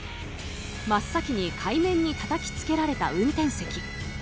真っ先に海面にたたきつけられた運転席。